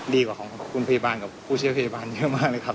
ดีกว่าของคุณพยาบาลกับผู้เชี่ยวพยาบาลเยอะมากเลยครับ